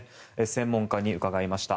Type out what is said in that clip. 専門家に伺いました。